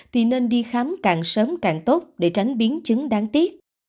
thì nên đi khám càng sớm càng tốt để tránh biến chứng đáng tiếc